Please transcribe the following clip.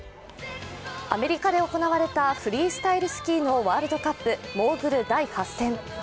アメリカで行われたフリースタイルスキーのワールドカップ、モーグル第８戦。